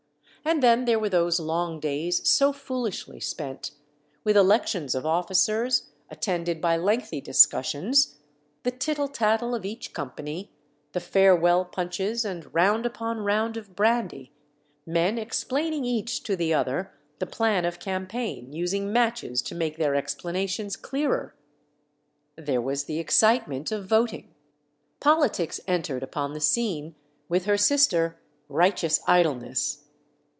And then there were those long days so foolishly spent, with elections of officers, attended by lengthy discussions, the tittle tattle of each company, the farewell punches, and round upon round of brandy, men explaining each to the My Kepi, 159 other the plan of campaign, using matches to make their explanations clearer; there was the excite ment of voting. Politics entered upon the scene, with her sister, righteous idleness.